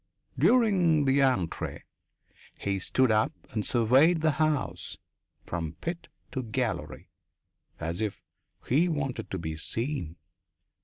During the entr'acte he stood up and surveyed the house from pit to gallery, as if he wanted to be seen.